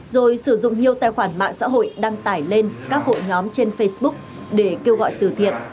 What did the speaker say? rồi sử dụng nhiều tài khoản mạng xã hội đăng tải lên các hội nhóm trên facebook để kêu gọi từ thiện